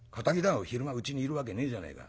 昼間うちにいるわけねえじゃねえか。